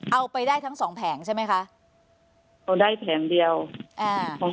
เอาไปได้ทั้งสองแผงใช่ไหมคะเอาได้แผงเดียวอ่าของ